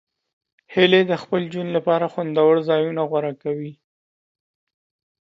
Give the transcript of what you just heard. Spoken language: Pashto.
هیلۍ د خپل ژوند لپاره خوندور ځایونه غوره کوي